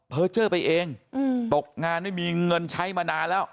เจอร์ไปเองตกงานไม่มีเงินใช้มานานแล้ว